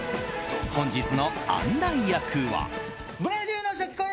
本日の案内役は。